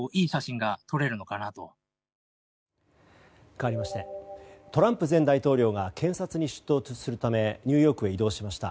かわりましてトランプ前大統領が検察に出頭するためニューヨークへ移動しました。